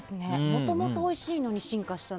もともとおいしいのに進化して。